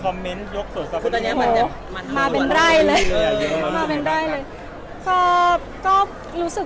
ช่วงนี้มันจะมาตัวละ